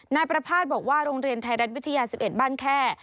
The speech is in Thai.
นายประภาษณ์บอกว่าโรงเรียนไทยรัฐวิทยา๑๑บ้านแค่